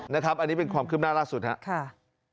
นะครับอันนี้เป็นความคิมน่ารักสุดนะครับค่ะค่ะ